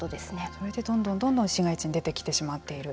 それで、どんどんどんどん、市街地に出てきてしまっている。